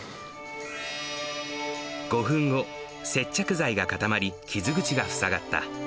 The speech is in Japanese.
５分後、接着剤が固まり、傷口が塞がった。